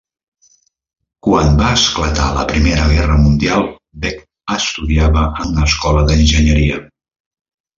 Quan va esclatar la Primera Guerra Mundial, Beck estudiava en una escola d'enginyeria.